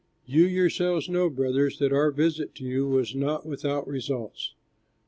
You yourselves know, brothers, that our visit to you was not without results.